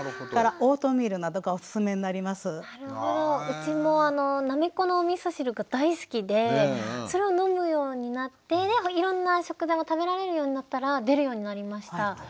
うちもなめこのおみそ汁が大好きでそれを飲むようになっていろんな食材も食べられるようになったら出るようになりました。